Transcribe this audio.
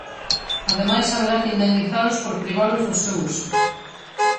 Ademais, haberá que indemnizalos por privalos do seu uso.